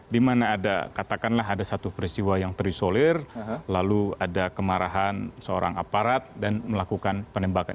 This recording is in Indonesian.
di mana ada katakanlah ada satu peristiwa yang terisolir lalu ada kemarahan seorang aparat dan melakukan penembakan